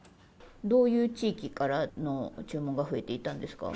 どういう地域からの注文が増えていったんですか？